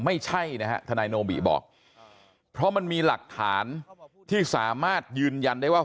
ไม่ใช่นะฮะทนายโนบิบอกเพราะมันมีหลักฐานที่สามารถยืนยันได้ว่า